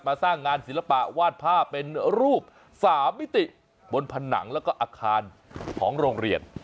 สร้างงานศิลปะวาดภาพเป็นรูป๓มิติบนผนังแล้วก็อาคารของโรงเรียน